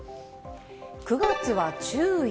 ９月は注意？